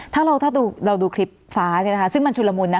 ถ้าเราดูคลิปฟ้าเนี่ยนะคะซึ่งมันชุดละมุนนะคะ